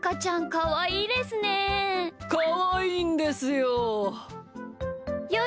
かわいいんですよ。